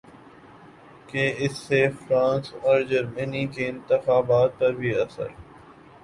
کہ اس سے فرانس ا ور جرمنی کے انتخابات پر بھی اثر